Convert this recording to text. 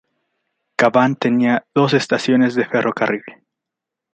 Cavan tenía dos estaciones de ferrocarril.